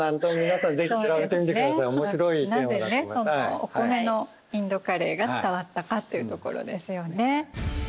なぜお米のインドカレーが伝わったかというところですよね。